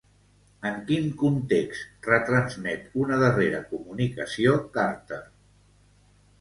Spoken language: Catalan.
En quin context retransmet una darrera comunicació Carter?